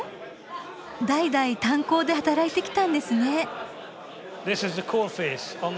代々炭鉱で働いてきたんですね。